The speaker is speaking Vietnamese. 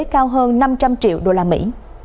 cao hơn năm trăm linh triệu đô la mỹ